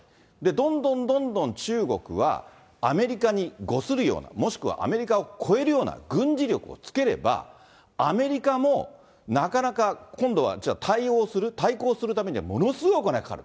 どんどんどんどん中国は、アメリカに伍するような、もしくはアメリカを超えるような軍事力をつければ、アメリカもなかなか今度は、じゃあ対応する、対抗するためにはものすごいお金がかかる。